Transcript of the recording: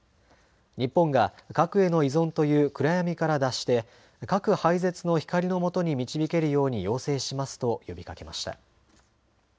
日本が核への依存という暗闇から脱して核廃絶の光のもとに導けるように要請しますと呼びかけました。